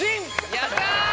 やった！